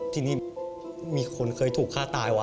ทีนี้มีคนเคยถูกฆ่าตายว่